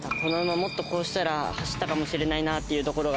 もっとこうしたら走ったかもしれないなっていうところが。